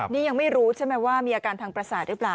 นี่ยังไม่รู้ใช่ไหมว่ามีอาการทางประสาทหรือเปล่า